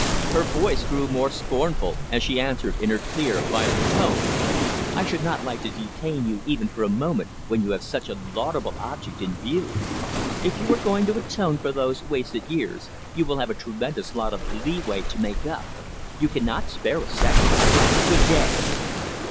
Her voice grew more scornful as she answered in her clear, vibrant tones. "I should not like to detain you even for a moment, when you have such a laudable object in view. If you are going to atone for those wasted years, you will have a tremendous lot of leeway to make up. You cannot spare a second. Good day."